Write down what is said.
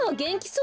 う。